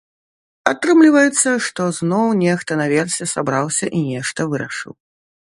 Атрымліваецца, што зноў нехта наверсе сабраўся і нешта вырашыў.